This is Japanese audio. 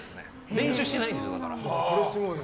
練習してないんですよ、だから。